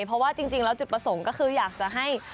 เพราะว่าจริงแล้วจุดประสงค์ก็คืออยากจะให้